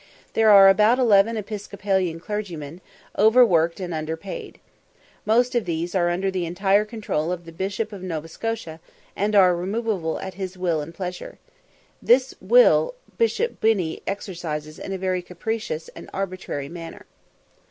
There are about eleven Episcopalian clergymen, overworked and underpaid. Most of these are under the entire control of the Bishop of Nova Scotia, and are removable at his will and pleasure. This will Bishop Binney exercises in a very capricious and arbitrary manner.